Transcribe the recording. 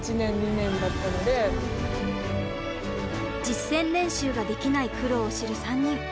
実戦練習ができない苦労を知る３人。